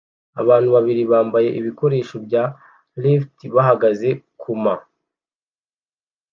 Abantu babiri bambaye ibikoresho bya raft bahagaze kuma